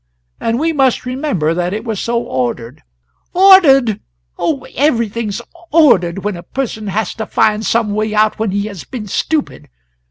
And we must remember that it was so ordered " "Ordered! Oh, everything's ordered, when a person has to find some way out when he has been stupid.